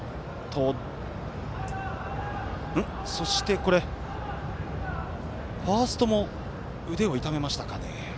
そして、ファーストも腕を痛めましたかね。